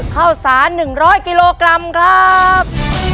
ข้าวสาร๑๐๐กิโลกรัมครับ